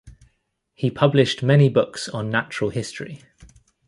He published many books on natural history.